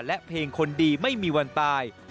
และเพลงคนดีไม่มีวันตาย